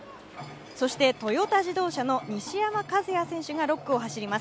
そしてトヨタ自動車の西山和弥選手が６区を走ります。